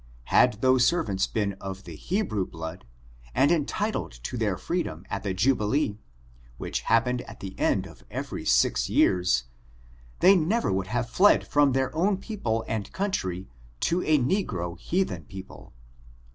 Had those ser\^ants been of the Hebrew blood and entitled to their freedom at the jubilee, which happened at the end of every six years, they never would have fled from their own people and country to a negro heathen people.